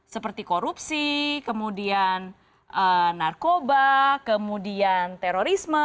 seperti korupsi kemudian narkoba kemudian terorisme